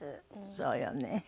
そうよね。